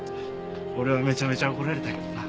俺はめちゃめちゃ怒られたけどな。